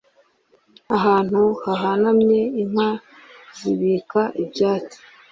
ahantu hahanamye inka zibika ibyatsi